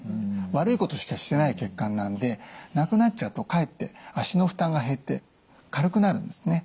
悪いことしかしてない血管なんでなくなっちゃうとかえって脚の負担が減って軽くなるんですね。